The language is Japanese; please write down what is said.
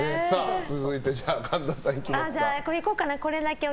続いて、神田さんいきますか。